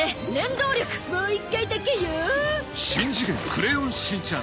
クレヨンしんちゃん』